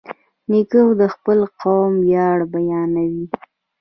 نیکه د خپل قوم ویاړ بیانوي.